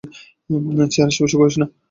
Chair স্পর্শ করিস না!